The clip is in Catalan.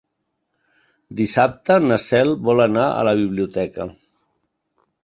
Dissabte na Cel vol anar a la biblioteca.